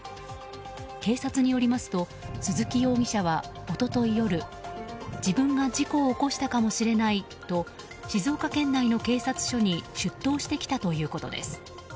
警察によりますと鈴木容疑者は一昨日夜自分が事故を起こしたかもしれないと静岡県内の警察署に出頭してきたということです。